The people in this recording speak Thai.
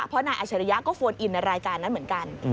เพราะนายอัชริยะก็โฟนอินในรายการนั้นเหมือนกัน